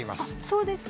そうですか。